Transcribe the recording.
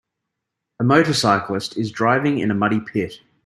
A motorcyclist is driving in a muddy pit.